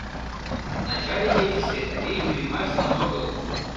Начар игечыште тыге лӱйымашлан огыл.